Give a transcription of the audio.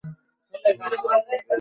অমিতাভের আওয়াজে বলো সমস্যা।